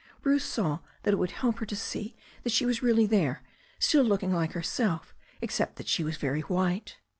Bruce saw that it would help her to see that she was really there, still looking like herself except that she was very white.